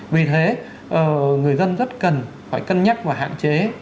vì thế người dân rất cần phải cân nhắc và hạn chế